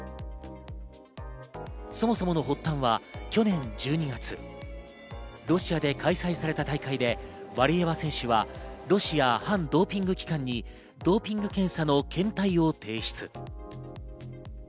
そもそもの発端は去年１２月、ロシアで開催された大会でワリエワ選手はロシア反ドーピング機関にドーピング検査の検体を提出。